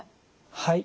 はい。